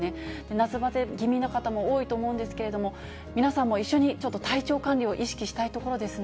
夏バテ気味な方も多いと思うんですけれども、皆さんも一緒に、ちょっと体調管理を意識したいところですね。